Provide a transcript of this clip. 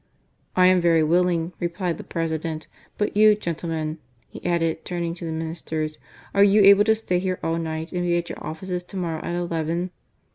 " I am verj' willing," replied the President, ^ "but you, gentlemen," he added, turning to the j Ministers, "are you able to stay here all night, and ~ 4>e at your offices to morrow at eleven?"